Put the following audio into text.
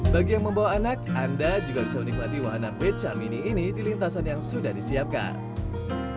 bagi yang membawa anak anda juga bisa menikmati wahana beca mini ini di lintasan yang sudah disiapkan